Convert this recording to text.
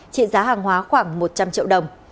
trị giá hàng hóa khoảng một trăm linh triệu đồng